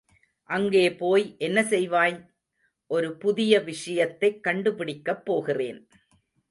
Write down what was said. அங்கே போய் என்ன செய்வாய்? ஒரு புதிய விஷயத்தைக் கண்டுபிடிக்கப் போகிறேன்.